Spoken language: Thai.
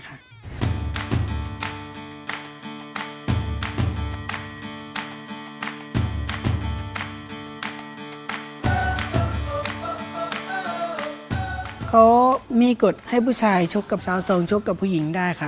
เขามีกฎให้ผู้ชายชกกับสาวสองชกกับผู้หญิงได้ค่ะ